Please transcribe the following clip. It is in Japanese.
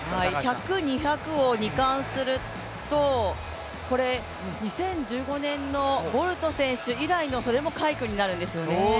１００、２００を２冠すると、２０１５年のボルト選手以来の、それも快挙になるんですよね。